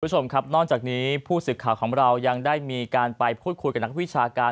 คุณผู้ชมครับนอกจากนี้ผู้สื่อข่าวของเรายังได้มีการไปพูดคุยกับนักวิชาการ